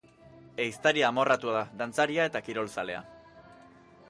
Ehiztari amorratua da, dantzaria eta kirolzalea.